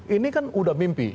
ini kan udah mimpi